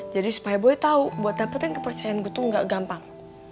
jadi supaya gue tau buat dapetin kepercayaan gue tuh gak gampang